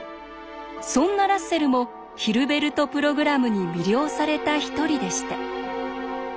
そんなラッセルもヒルベルト・プログラムに魅了された一人でした。